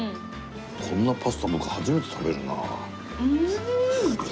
こんなパスタなんか初めて食べるな。